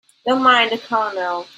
Don't mind the Colonel.